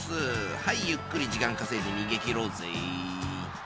はい、ゆっくり時間稼いで逃げ切ろうぜ。